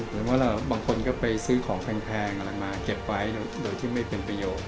หรือว่าบางคนก็ไปซื้อของแพงอะไรมาเก็บไว้โดยที่ไม่เป็นประโยชน์